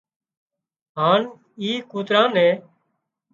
هانَ اي ڪوترا نين